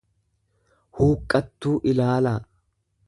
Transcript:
huuqqattuu ilaalaa.